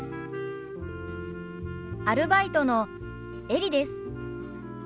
アルバイトのエリです。